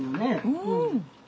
うん！